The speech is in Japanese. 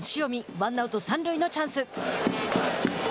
ワンアウト、三塁のチャンス。